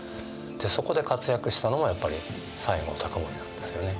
そこで活躍したのもやっぱり西郷隆盛なんですよね。